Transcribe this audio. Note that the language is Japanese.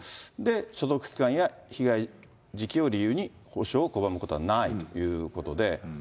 所属期間や被害時期を理由に補償を拒むことはないということで。